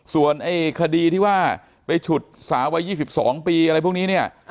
ส่วนคดีที่ว่าไปฉุดสาววัย๒๒ปีอะไรพวกนี้เนี่ย